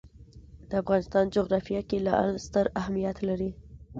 د افغانستان جغرافیه کې لعل ستر اهمیت لري.